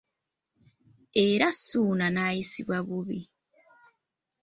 Era Ssuuna n’ayisibwa bubi.